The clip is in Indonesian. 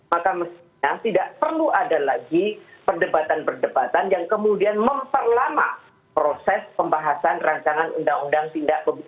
maka mestinya tidak perlu ada lagi perdebatan perdebatan yang kemudian memperlama proses pembahasan ruti